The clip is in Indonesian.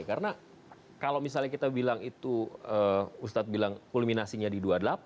karena kalau misalnya kita bilang itu ustadz bilang kulminasinya di dua puluh delapan